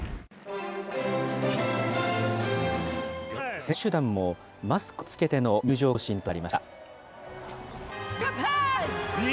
選手団もマスクを着けての入場行進となりました。